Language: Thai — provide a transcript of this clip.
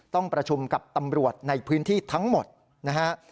ต้องประชุมกับตำรวจในพื้นที่ทั้งหมดนะฮะ